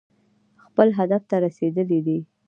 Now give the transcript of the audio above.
خپل هدف ته رسېدلي دي.